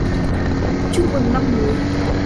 chúc mừng năm mới